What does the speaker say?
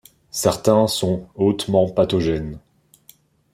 Certains sont hautement pathogènes.